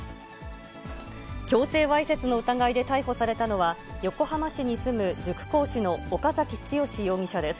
強制わいせつの疑いで逮捕されたのは、横浜市に住む塾講師の岡崎剛容疑者です。